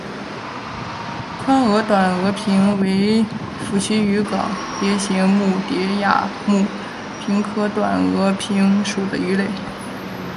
宽额短额鲆为辐鳍鱼纲鲽形目鲽亚目鲆科短额鲆属的鱼类。